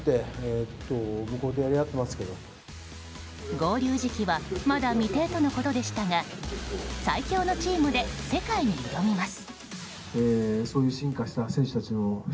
合流時期はまだ未定とのことでしたが最強のチームで世界に挑みます。